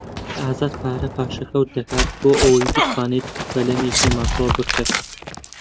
ئازاد پارە پاشەکەوت دەکات بۆ ئەوەی بتوانێت بەلەمێکی ماتۆڕ بکڕێت.